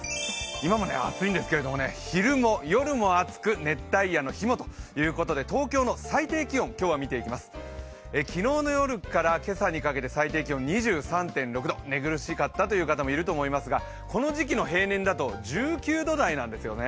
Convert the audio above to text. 今も暑いんですけれども、昼も夜も暑く、熱帯夜の日もということで東京の最低気温、今日は見ていきます、昨日の夜から今朝にかけて、最低気温２３．６度、寝苦しかったという方もいると思いますがこの時期の平年だと１９度台なんですよね。